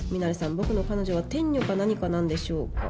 僕の彼女は天女か何かなんでしょうか？」